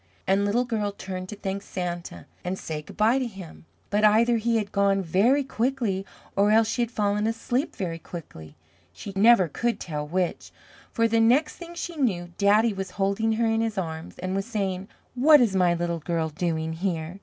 And Little Girl turned to thank Santa and say goodbye to him, but either he had gone very quickly, or else she had fallen asleep very quickly she never could tell which for the next thing she knew, Daddy was holding her in his arms and was saying, "What is my Little Girl doing here?